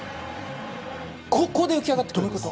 ここで浮き上がってくるんです。